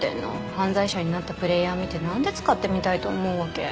犯罪者になったプレイヤーを見て何で使ってみたいと思うわけ？